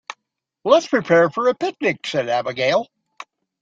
"Let's prepare for the picnic!", said Abigail.